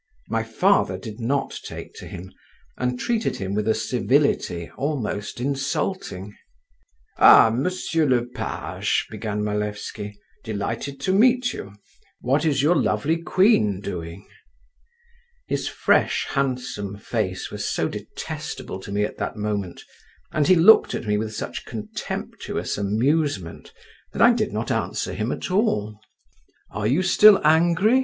My father did not take to him, and treated him with a civility almost insulting. "Ah, monsieur le page," began Malevsky, "delighted to meet you. What is your lovely queen doing?" His fresh handsome face was so detestable to me at that moment, and he looked at me with such contemptuous amusement that I did not answer him at all. "Are you still angry?"